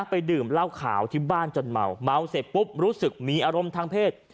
ดื่มเหล้าขาวที่บ้านจนเมาเมาเสร็จปุ๊บรู้สึกมีอารมณ์ทางเพศ